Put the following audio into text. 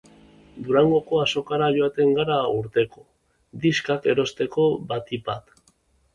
Durangoko azokara joaten gara urtero, diskak erosteko batipat.